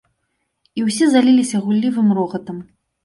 І ўсе заліліся гуллівым рогатам.